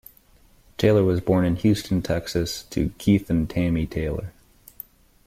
Taylor was born in Houston, Texas, to Keith and Tammy Taylor.